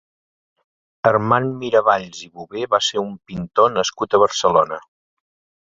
Armand Miravalls i Bové va ser un pintor nascut a Barcelona.